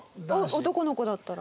男の子だったら。